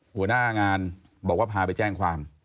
หัวหน้างานบอกว่าพาไปแจ้งความ